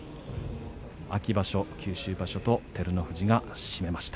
秋場所、九州場所と、照ノ富士が締めました。